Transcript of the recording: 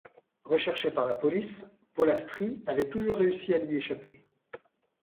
Recherché par la police, Pollastri avait toujours réussi à lui échapper.